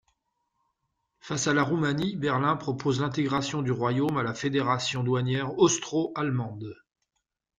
Face à la Roumanie, Berlin propose l'intégration du royaume à la fédération douanière austro-allemande.